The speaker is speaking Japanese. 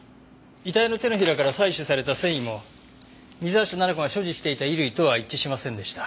遺体の手のひらから採取された繊維も水橋奈々子が所持していた衣類とは一致しませんでした。